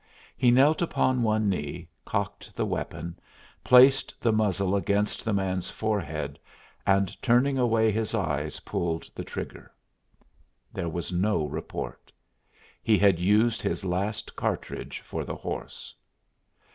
He knelt upon one knee, cocked the weapon, placed the muzzle against the man's forehead, and turning away his eyes pulled the trigger. There was no report. He had used his last cartridge for the horse.